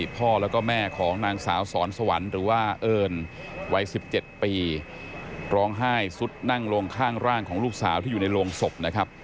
น่ามั้ยคือว่าเอิญวัย๑๗ปีร้องไห้สุดนั่งโรงค่างร่างของลูกสาวที่อยู่ในโรงศพนะครับ